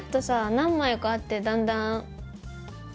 何枚かあってだんだん。